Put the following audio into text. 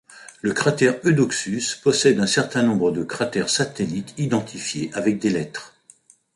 Le cratère Eudoxus possède un certain nombre de cratères satellites identifiés avec des lettres.